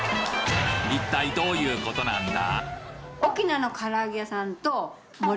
一体どういう事なんだ？